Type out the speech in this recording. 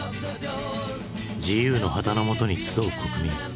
自由の旗のもとに集う国民。